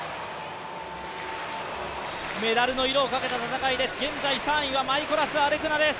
メダルの色をかけた戦いです、現在３位はアレクナです。